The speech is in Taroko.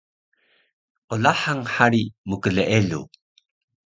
Qlahang hari mkleeluw